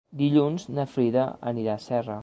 Dilluns na Frida anirà a Serra.